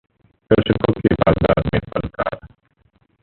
दर्शकों के बाजार में फनकार